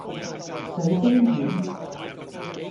水晶丸